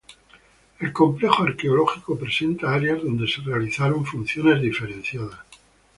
El complejo arqueológico presenta áreas donde se realizaron funciones diferenciadas.